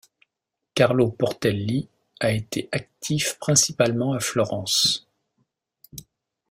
Carlo Portelli a été actif principalement à Florence.